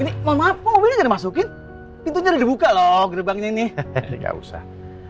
ini mau ngomongnya masukin itu jadi buka loh gerbangnya ini enggak usah